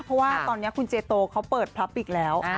เพราะว่าตอนนี้คุณเจโตเขาเปิดพลับอีกแล้ว